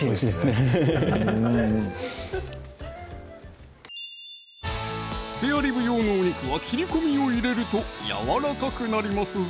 うんうんスペアリブ用のお肉は切り込みを入れるとやわらかくなりますぞ